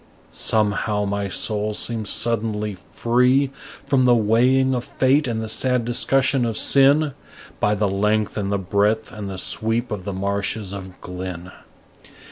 Somehow my soul seems suddenly free From the weighing of fate and the sad discussion of sin, By the length and the breadth and the sweep of the marshes of Glynn.